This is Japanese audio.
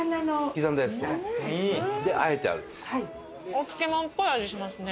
お漬物っぽい味しますね。